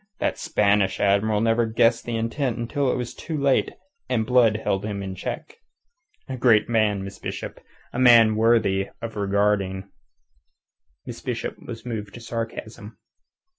That Spanish Admiral never guessed the intent until it was too late and Blood held him in check. A great man, Miss Bishop. A man worth regarding." Miss Bishop was moved to sarcasm.